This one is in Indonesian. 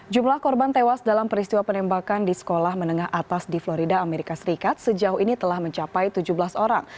jumlah korban tewas dalam peristiwa penembakan di sekolah menengah atas di florida amerika serikat sejauh ini telah mencapai tujuh belas orang